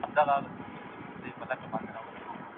هر یرغل چی به یې کاوه د ده بری وو